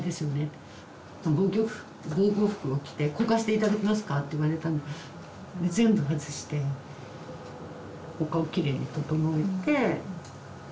「防護服を着て交換して頂けますか」って言われたので全部外してお顔きれいに整えてで着せ替えて。